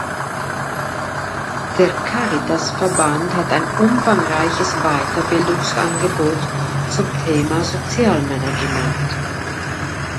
Der Caritasverband hat ein umfangreiches Weiterbildungsangebot zum Thema Sozialmanagement.